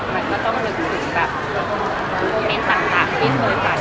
มันก็ต้องนึกถึงแบบโมเมนต์ต่างที่เคยฝัน